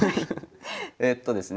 えっとですね